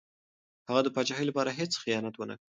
هغه د پاچاهۍ لپاره هېڅ خیانت ونه کړ.